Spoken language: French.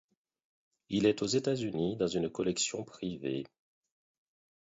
Il est aux États-Unis dans une collection privée.